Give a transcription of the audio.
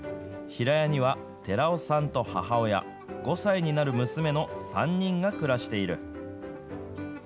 平屋には寺尾さんと母親、５歳になる娘の３人が暮らしている。